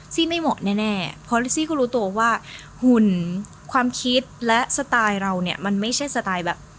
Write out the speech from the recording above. ไม่เหมาะแน่เพราะลิซี่ก็รู้ตัวว่าหุ่นความคิดและสไตล์เราเนี่ยมันไม่ใช่สไตล์แบบ